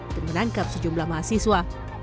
dan menangkap sejumlah mahasiswa